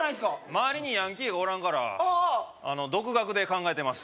まわりにヤンキーがおらんから独学で考えてます